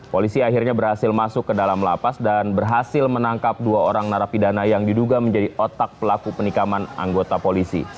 polisi akhirnya berhasil masuk ke dalam lapas dan berhasil menangkap dua orang narapidana yang diduga menjadi otak pelaku penikaman anggota polisi